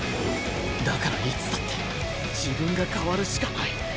だからいつだって自分が変わるしかない